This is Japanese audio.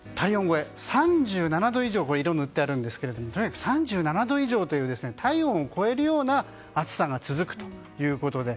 ３７度以上に色が塗ってありますがとにかく３７度以上という体温を超えるような暑さが続くということで。